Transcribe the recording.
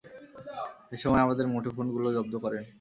এ সময় আমাদের মুঠোফোনগুলো জব্দ করেন।